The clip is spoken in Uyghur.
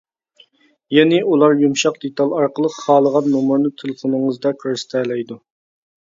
يەنى ئۇلار يۇمشاق دېتال ئارقىلىق خالىغان نومۇرنى تېلېفونىڭىزدا كۆرسىتەلەيدۇ.